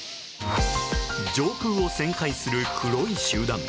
上空を旋回する黒い集団。